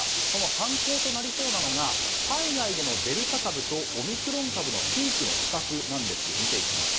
その参考となりそうなのが海外でのデルタ株とオミクロン株のピークの比較です。